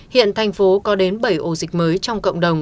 hiện thành phố có đến bảy ổ dịch mới trong cộng đồng